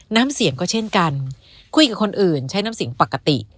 น้ำเสียงก็เช่นกันคุยกับคนอื่นใช้น้ำเสียงปกติ